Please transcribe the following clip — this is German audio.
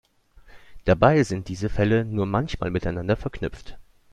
Dabei sind diese Fälle nur manchmal miteinander verknüpft.